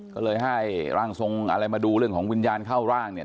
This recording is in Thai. ก็เลยให้ร่างทรงอะไรมาดูเรื่องของวิญญาณเข้าร่างเนี่ย